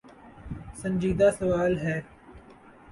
سنجیدہ سوال ہے۔